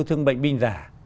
thương bệnh binh giả